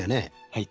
はい。